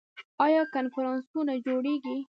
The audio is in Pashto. آیا کنفرانسونه جوړیږي؟